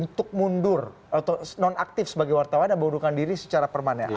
untuk mundur atau non aktif sebagai wartawan dan mengundurkan diri secara permanen